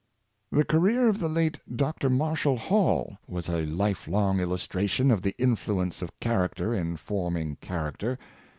The career of the late Dr. Marshall Hall was a life long illustration of the influence of character in forming character.